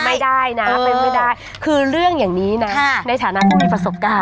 ไม่ได้นะไปไม่ได้อย่างนี้นะในสถานที่ไม่มีประสบการณ์